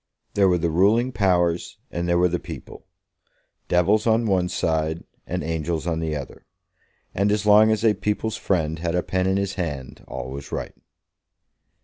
There were the ruling powers and there were the people, devils on one side and angels on the other, and as long as a people's friend had a pen in his hand all was right.